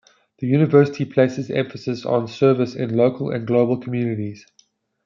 The university places emphasis on service in local and global communities.